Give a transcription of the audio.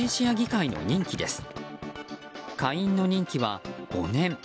下院の任期は５年。